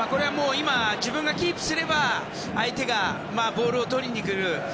自分がキープすれば相手がボールをとりにくる。